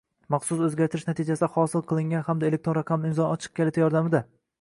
maxsus o‘zgartirish natijasida hosil qilingan hamda elektron raqamli imzoning ochiq kaliti yordamida